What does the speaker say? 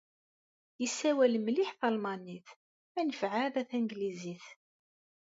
Yessawal mliḥ talmanit, anef ɛad a tanglizit.